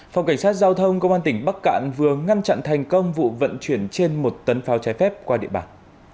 phòng cảnh sát giao thông công an tỉnh bắc cạn vừa ngăn chặn thành công vụ vận chuyển trên một tấn pháo trái phép qua địa bàn